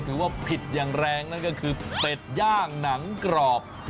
ถือว่าผิดอย่างแรงนั่นก็คือเป็ดย่างหนังกรอบ